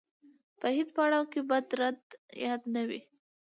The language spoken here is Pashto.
په هیڅ پړاو یې بد درته یاد نه وي.